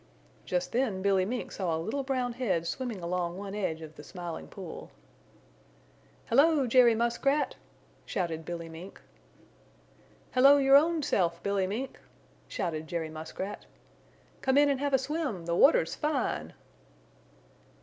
Just then Billy Mink saw a little brown head swimming along one edge of the Smiling Pool. "Hello, Jerry Muskrat!" shouted Billy Mink. "Hello your own self, Billy Mink," shouted Jerry Muskrat, "Come in and have a swim; the water's fine!"